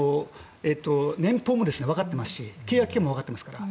年俸も分かってますし契約期限も分かってますから。